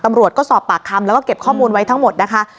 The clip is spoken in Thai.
ตำรวจก็สอบปากคำแล้วก็เก็บข้อมูลไว้ทั้งหมดนะคะ